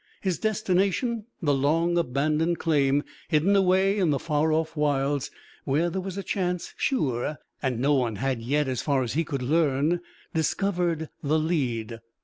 His destination the long abandoned claim hidden away in the far off wilds, where there was a chance, sure, and no one had yet, as far as he could learn, discovered the "lead."